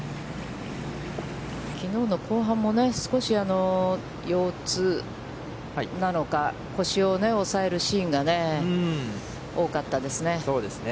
きのうの後半もね、少し腰痛なのか、腰を押さえるシーンが多かったですね。